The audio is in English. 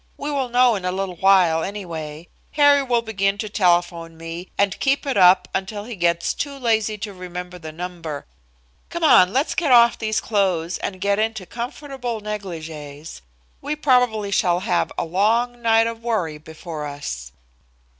We will know in a little while, anyway. Harry will begin to telephone me, and keep it up until he gets too lazy to remember the number. Come on, let's get off these clothes and get into comfortable negligees. We probably shall have a long night of worry before us."